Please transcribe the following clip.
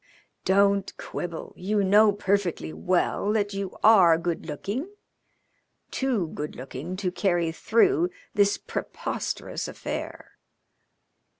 "Don't quibble. You know perfectly well that you are good looking too good looking to carry through this preposterous affair."